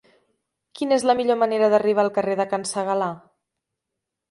Quina és la millor manera d'arribar al carrer de Can Segalar?